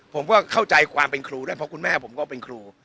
เพราะว่าเข้าใจความเป็นครูด้วยเพราะคุณแม่ผมก็เป็นครู